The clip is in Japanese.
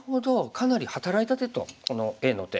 かなり働いた手とこのＡの手。